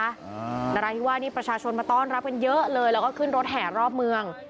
นราธิวาสนี่ประชาชนมาต้อนรับกันเยอะเลยแล้วก็ขึ้นรถแห่รอบเมือง